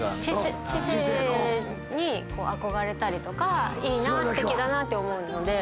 知性に憧れたりとかいいなすてきだなって思うので。